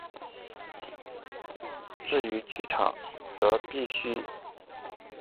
至于剧场版则是必须透过抽签才能获得购买资格的限量发行商品。